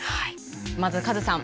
まずカズさん